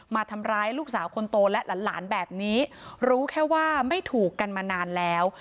มาทำร้ายลูกสาวคนโตและหลานแบบนี้รู้แค่ว่าไม่ถูกกันมานานแล้ว